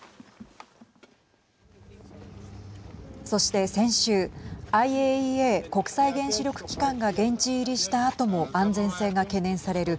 そして、先週ＩＡＥＡ＝国際原子力機関が現地入りしたあとも安全性が懸念される